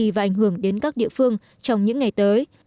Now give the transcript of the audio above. điều này sẽ ảnh hưởng đến các địa phương trong những ngày tới